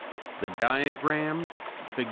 The diagrams, figs.